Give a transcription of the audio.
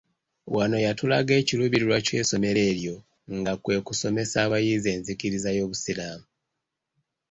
Wano yatulaga ekiruubirirwa ky'essomero eryo nga kwe kusomesa abayizi enzikiriza y'obusiraamu.